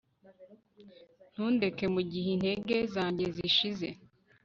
ntundeke mu gihe intege zanjye zishize